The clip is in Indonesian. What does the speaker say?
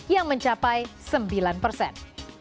yang mencapai sembilan persen